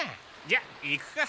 じゃ行くか。